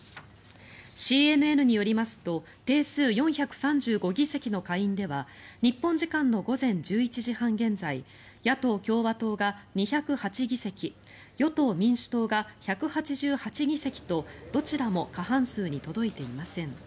ＣＮＮによりますと定数４３５議席の下院では日本時間の午前１１時半現在野党・共和党が２０８議席与党・民主党が１８８議席とどちらも過半数に届いていません。